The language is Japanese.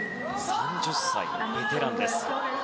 ３０歳、ベテランです。